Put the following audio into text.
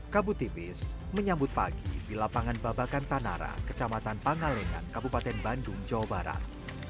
kabut tipis menyambut pagi di lapangan babakan tanara kecamatan pangalengan kabupaten bandung jawa barat